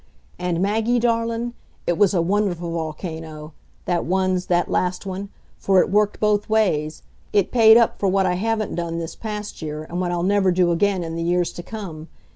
And, Maggie darlin', it was a wonderful volcano, that ones that last one, for it worked both ways. It paid up for what I haven't done this past year and what I'll never do again in the years to come.